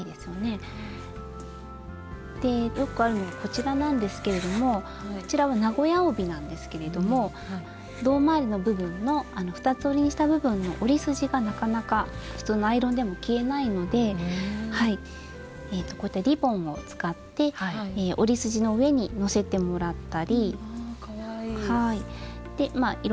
よくあるのがこちらなんですけれどもこちらは名古屋帯なんですけれども胴回りの部分の二つ折りにした部分の折り筋がなかなか普通のアイロンでも消えないのでこうやってリボンを使って折り筋の上にのせてもらったり。わかわいい。